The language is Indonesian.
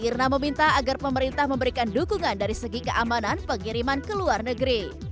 irna meminta agar pemerintah memberikan dukungan dari segi keamanan pengiriman ke luar negeri